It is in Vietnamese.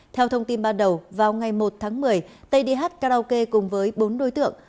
theo thông tin ban đầu vào ngày một tháng một mươi tây đi hát karaoke cùng với bốn đối tượng